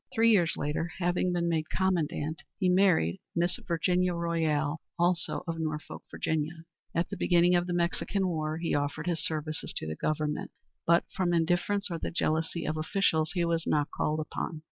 Three years later, having been made commandant, he married Miss Virginia Royall, also of Norfolk, Va. At the beginning of the Mexican War, he offered his services to the Government, but from indifference, or the jealousy of officials, he was not called upon.